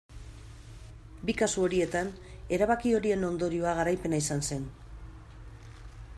Bi kasu horietan erabaki horien ondorioa garaipena izan zen.